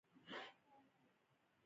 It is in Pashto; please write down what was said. په ډولۍ کښې د پاپاوي ملک کره بوتله